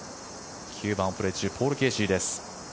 ９番をプレー中ポール・ケーシーです。